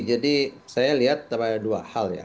jadi saya lihat ada dua hal ya